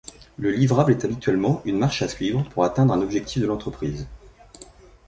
Le livrable est habituellement une marche à suivre pour atteindre un objectif de l'entreprise.